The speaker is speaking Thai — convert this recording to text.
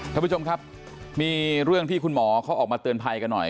ท่านผู้ชมครับมีเรื่องที่คุณหมอเขาออกมาเตือนภัยกันหน่อย